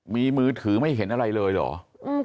มีมือถือไม่เห็นอะไรเลยเหรอ